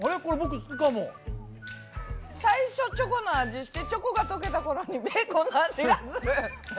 最初チョコの味してチョコがとけたころにベーコンの味がする。